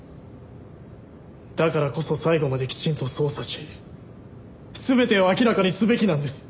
だからこそ最後まできちんと捜査し全てを明らかにすべきなんです。